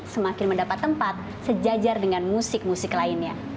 semakin mendapat tempat sejajar dengan musik musik lainnya